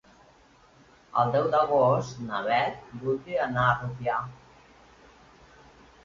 El deu d'agost na Beth voldria anar a Rupià.